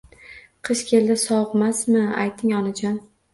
Qish keldi sovuqmasmi ayting Onajon